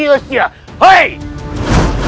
jangan menangkap mereka